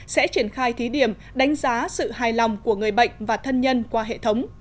sẽ triển khai thí điểm đánh giá sự hài lòng của người bệnh và thân nhân qua hệ thống